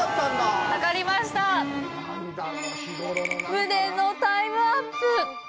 無念のタイムアップ。